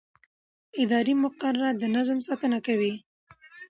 اداري مقررات د نظم ساتنه کوي.